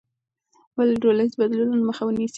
ولې د ټولنیزو بدلونونو مخه مه نیسې؟